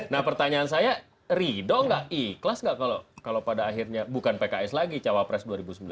nah pertanyaan saya ridho gak ikhlas nggak kalau pada akhirnya bukan pks lagi cawapres dua ribu sembilan belas